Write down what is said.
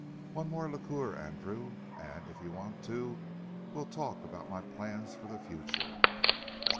One more liqueur, Andrew, and if you want to we'll talk about my plans for the future."